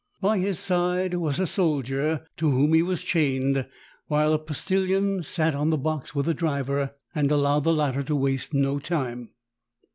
By his side was a soldier, to whom he was chained, while a pos tillion sat on the box with the driver, and allowed the latter to waste no time.